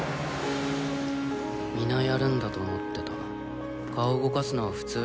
皆やるんだと思ってた顔動かすのは普通らって。